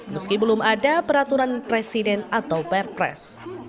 meski belum ada peraturan presiden atau perpres